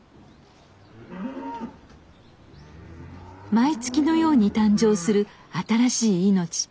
毎月のように誕生する新しい命。